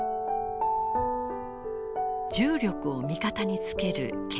重力を味方につける建築構造。